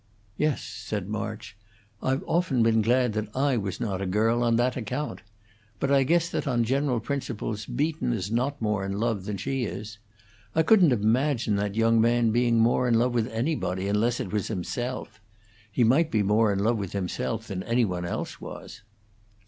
"Yes," said March, "I've often been glad that I was not a girl, on that account. But I guess that on general principles Beaton is not more in love than she is. I couldn't imagine that young man being more in love with anybody, unless it was himself. He might be more in love with himself than any one else was."